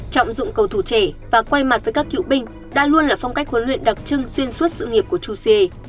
trọng dụng cầu thủ trẻ và quay mặt với các cựu binh đã luôn là phong cách huấn luyện đặc trưng xuyên suốt sự nghiệp của chuse